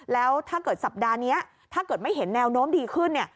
แล้วถ้าเกิดสัปดาห์นี้ถ้าเกิดไม่เห็นแนวโน้มดีขึ้น